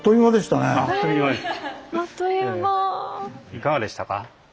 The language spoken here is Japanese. いかがでしたか？